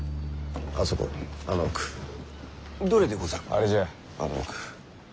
あれじゃあの奥。